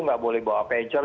nggak boleh bawa pager